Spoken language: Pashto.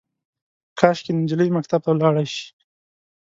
کاشکي، نجلۍ مکتب ته ولاړه شي